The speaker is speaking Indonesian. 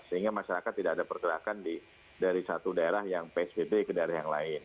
sehingga masyarakat tidak ada pergerakan dari satu daerah yang psbb ke daerah yang lain